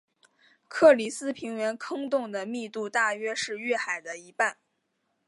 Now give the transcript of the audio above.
克里斯平原坑洞的密度大约是月海的一半。